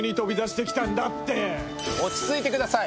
落ち着いてください！